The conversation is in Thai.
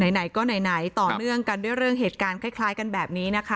ไหนก็ไหนต่อเนื่องกันด้วยเรื่องเหตุการณ์คล้ายกันแบบนี้นะคะ